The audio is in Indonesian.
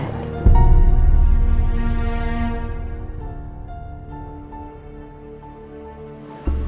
aku akan pastikan hidup kamu dan ibu kamu air